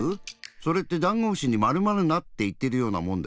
それってダンゴムシにまるまるなっていってるようなもんだよ。